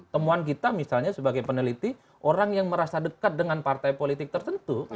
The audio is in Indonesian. temuan kita misalnya sebagai peneliti orang yang merasa dekat dengan partai politik tertentu